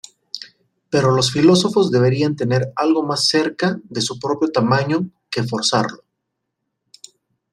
Pero los filósofos deberían tener algo más cerca de su propio tamaño que forzarlo.